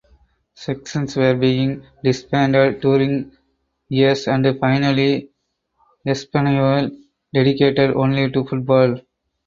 Sections were being disbanded during years and finally Espanyol dedicated only to football.